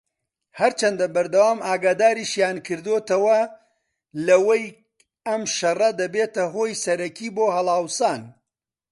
هەرچەندە بەردەوام ئاگاداریشیان کردۆتەوە لەوەی ئەم شەڕە دەبێتە هۆی سەرەکیی بۆ هەڵاوسان